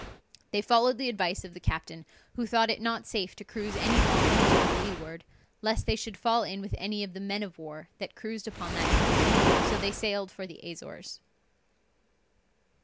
They followed the advice of the captain, who thought it not safe to cruise any longer to the leeward, lest they should fall in with any of the men of war that cruised upon that coast, so they sailed for the Azores.